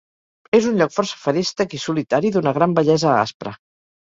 És un lloc força feréstec i solitari d'una gran bellesa aspra.